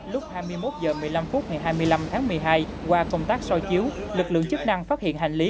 lúc hai mươi một h một mươi năm phút ngày hai mươi năm tháng một mươi hai qua công tác soi chiếu lực lượng chức năng phát hiện hành lý